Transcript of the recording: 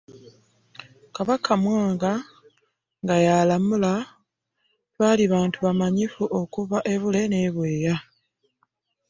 Kabaka Mwanga nga y'alamula, twali bantu bamanyifu okuva e Bule n'e Bweya